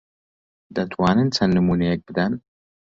دەتوانن چەند نموونەیەک بدەن؟